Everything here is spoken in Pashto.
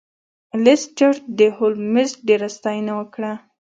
لیسټرډ د هولمز ډیره ستاینه وکړه.